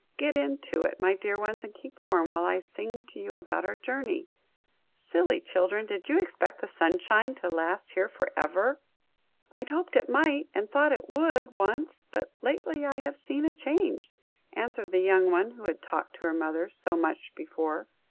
Get into it, my dear ones, and keep warm, while I sing to you about our journey. Silly children, did you expect the sunshine to last here for ever?" "I hoped it might, and thought it would, once, but lately I have seen a change," answered the young one who had talked to her mother so much before.